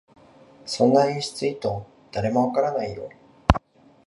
そんな演出意図、誰もわからないよ